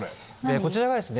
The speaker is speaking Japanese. こちらがですね